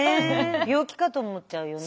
病気かと思っちゃうよね。